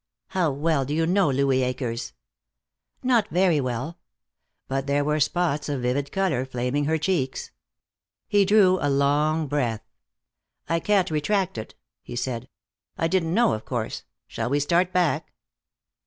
"How well do you know Louis Akers?" "Not very well." But there were spots of vivid color flaming in her cheeks. He drew a long breath. "I can't retract it," he said. "I didn't know, of course. Shall we start back?"